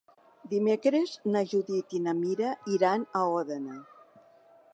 Dimecres na Judit i na Mira iran a Òdena.